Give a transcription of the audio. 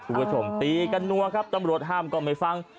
คุณผู้ชมตีกันนัวครับตำรวจห้ามก็ไม่ฟัง